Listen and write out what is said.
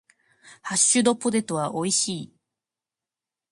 ハッシュドポテトは美味しい。